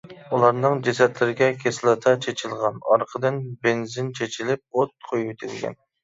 ئۇلارنىڭ جەسەتلىرىگە كىسلاتا چېچىلغان، ئارقىدىن بېنزىن چېچىلىپ ئوت قويۇۋېتىلگەن.